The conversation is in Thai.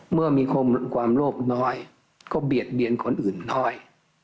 เมื่อมีความโลภน้อยก็เบียดเบียนคนอื่นน้อย